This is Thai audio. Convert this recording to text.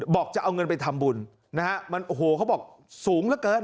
บอกจะเอาเงินไปทำบุญนะฮะมันโอ้โหเขาบอกสูงเหลือเกิน